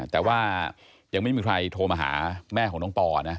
แต่ว่ายังไม่มีใครโทรมาหาแม่ของน้องปอนะ